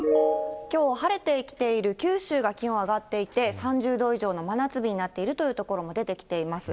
きょう晴れてきている九州が気温上がっていて、３０度以上の真夏日になっている所も出てきています。